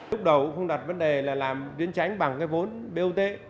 lúc đầu cũng không đặt vấn đề là làm biến tránh bằng cái vốn bot